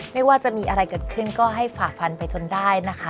ไม่ว่าจะมีอะไรเกิดขึ้นก็ให้ฝ่าฟันไปจนได้นะคะ